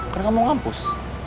karena kamu mau ngampus